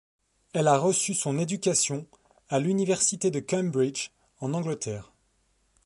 Elle a reçu son éducation à l’Université de Cambridge en Angleterre.